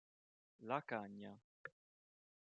La cagna